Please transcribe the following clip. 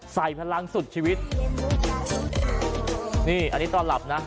ใส่พลังสุดชีวิตนี่อันนี้ตอนหลับนะ